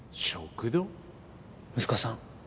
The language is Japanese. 息子さん